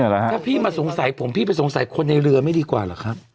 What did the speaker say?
ถ้าพี่มาสงสัยผมพี่ไปสงสัยคนในเรือไม่ดีกว่าเหรอครับ